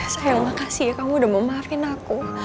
saya makasih ya kamu udah memaafin aku